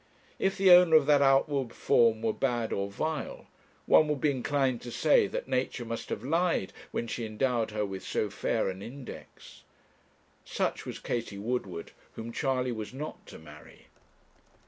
If the owner of that outward form were bad or vile, one would be inclined to say that Nature must have lied when she endowed her with so fair an index. Such was Katie Woodward, whom Charley was not to marry.